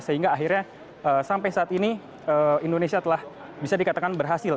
sehingga akhirnya sampai saat ini indonesia telah bisa dikatakan berhasil